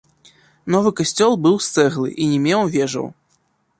Новы касцёл быў з цэглы і не меў вежаў.